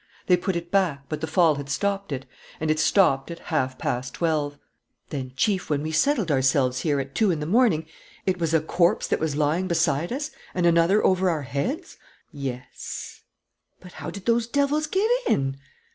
They put it back; but the fall had stopped it. And it stopped at half past twelve." "Then, Chief, when we settled ourselves here, at two in the morning, it was a corpse that was lying beside us and another over our heads?" "Yes." "But how did those devils get in?"